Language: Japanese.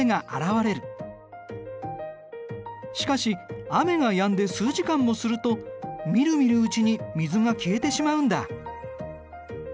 しかし雨がやんで数時間もするとみるみるうちに水が消えてしまうんだ。